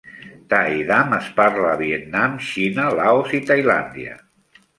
Tai Dam es parla a Vietnam, Xina, Laos i Tailàndia.